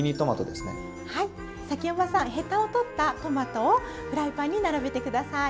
崎山さんヘタを取ったトマトをフライパンに並べて下さい。